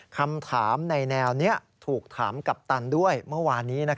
คำถามในแนวนี้ถูกถามกัปตันด้วยเมื่อวานนี้